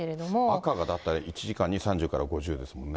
赤が大体１時間に３０から５０ですもんね。